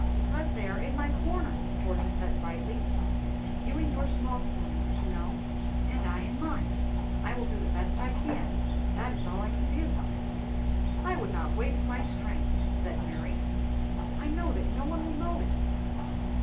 "Because they are in my corner," Georgia said, brightly. "'You in your small corner,' you know, 'and I in mine.' I will do the best I can; that is all I can do." "I would not waste my strength," said Mary. "I know that no one will notice."